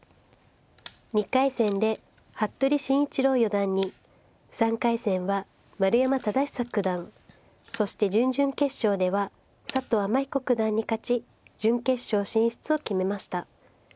２回戦で服部慎一郎四段に３回戦は丸山忠久九段そして準々決勝では佐藤天彦九段に勝ち準決勝進出を決めました。